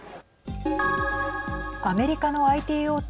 アメリカのＩＴ大手